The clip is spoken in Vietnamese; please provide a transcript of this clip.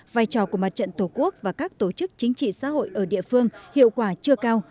vai trò của mặt trận tổ quốc và các tổ chức chính trị xã hội ở địa phương hiệu quả chưa cao